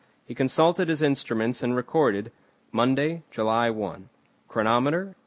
He consulted his instruments, and recorded: "Monday, July 1. "Chronometer, 8.